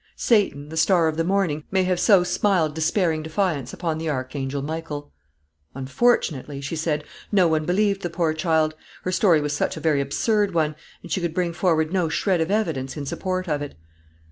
Satan, the star of the morning, may have so smiled despairing defiance upon the Archangel Michael. "Unfortunately," she said, "no one believed the poor child. Her story was such a very absurd one, and she could bring forward no shred of evidence in support of it."